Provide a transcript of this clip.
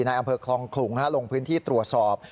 ในอำเภอคลองขลุงลงพื้นที่ตรวจสอบ